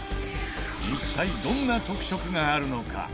一体どんな特色があるのか？